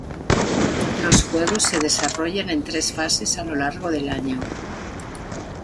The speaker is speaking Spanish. Los juegos se desarrollan en tres fases a lo largo del año.